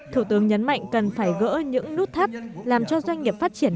thủ tướng nhấn mạnh cần phải gỡ những nút thắt làm cho doanh nghiệp phát triển